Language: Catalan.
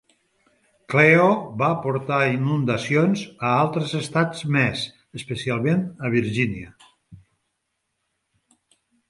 Cleo va portar inundacions a altres estats més, especialment a Virgínia.